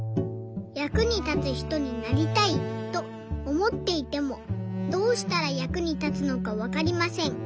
「役に立つひとになりたいとおもっていてもどうしたら役に立つのかわかりません。